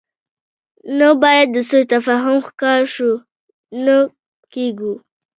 نه باید د سوء تفاهم ښکار شو، نه کېږو.